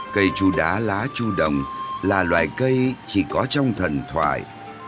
cây chu đá lá chu đồng là loài cây chỉ có trong thần thoại